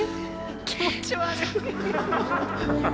気持ち悪い。